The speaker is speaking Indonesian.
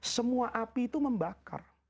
semua api itu membakar